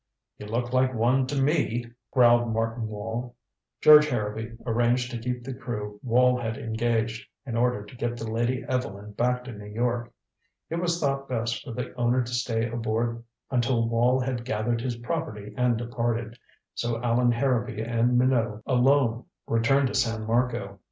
"You look like one to me," growled Martin Wall. George Harrowby arranged to keep the crew Wall had engaged, in order to get the Lady Evelyn back to New York. It was thought best for the owner to stay aboard until Wall had gathered his property and departed, so Allan Harrowby and Minot alone returned to San Marco.